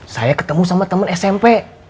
saya ketemu sama teman smp